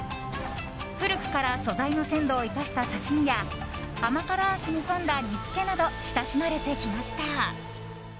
古くから素材の鮮度を生かした刺し身や甘辛く煮込んだ煮つけなど親しまれてきました。